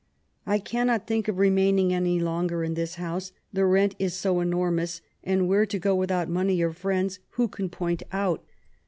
I cannot think of remaining any longer in this house, the rent is so enormous; and where to go, without money or friends, who can point out